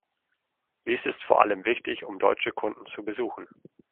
Dies ist vor allem wichtig, um deutsche Kunden zu besuchen.